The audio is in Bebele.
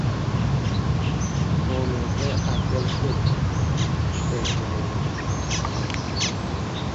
Wu nə və akə̀l, pək tənə yɔ̀.